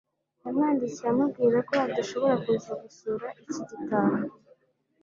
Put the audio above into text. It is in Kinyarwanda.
yamwandikiye amubwira ko adashobora kuza gusura icyi gitaha